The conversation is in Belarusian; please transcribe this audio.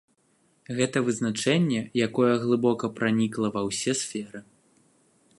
Гэта вызначэнне, якое глыбока пранікла ва ўсе сферы.